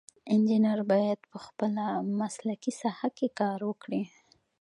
انجینر باید یوازې په خپله مسلکي ساحه کې کار وکړي.